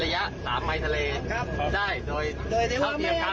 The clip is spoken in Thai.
ระยะสามพันธาเลได้โดยเท่าเทียบกัน